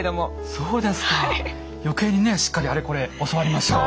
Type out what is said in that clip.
そうですか余計にねしっかりあれこれ教わりましょう。